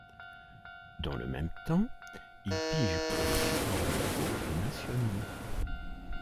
Dans le même temps, il pige pour des supports locaux et nationaux.